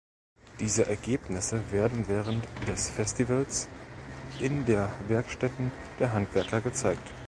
Diese Ergebnisse werden während des Festivals in der Werkstätten der Handwerker gezeigt.